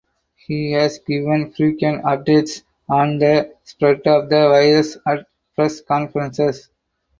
He has given frequent updates on the spread of the virus at press conferences.